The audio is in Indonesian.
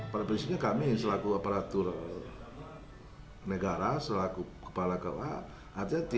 perpindisinya kami selaku aparatur negara selaku kepala kua artinya tidak mengregalkan untuk kawin siri